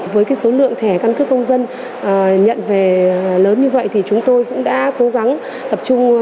với số lượng thẻ căn cước công dân nhận về lớn như vậy thì chúng tôi cũng đã cố gắng tập trung